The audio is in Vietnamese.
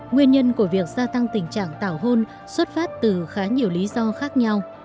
nguyên nhân của việc gia tăng tình trạng tảo hôn xuất phát từ khá nhiều lý do khác nhau